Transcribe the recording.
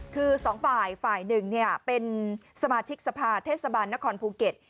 คือสองฝ่ายฝ่ายหนึ่งเป็นสมาชิกสภาเทศบาลนครภูเก็ต